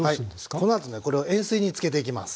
はいこのあとねこれを塩水につけていきます。